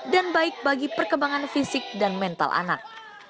dan baik bagi perkembangan fisik dan mental anak